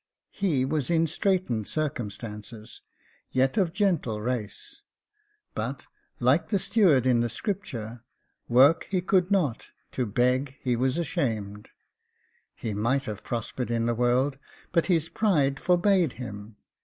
He was in straitened circum stances, yet of gentle race — but, like the steward in the Scripture, ' work he could not, to beg he was ashamed.' He might have prospered in the world, but his pride forbade him.